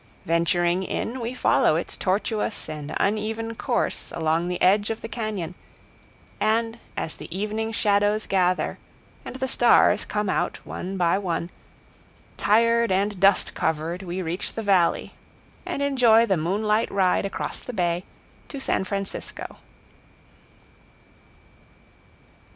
Venturing in, we follow its tortuous and uneven course along the edge of the cañon, and, as the evening shadows gather, and the stars come out one by one, tired and dust covered, we reach the valley, and enjoy the moonlight ride across the bay to San Francisco.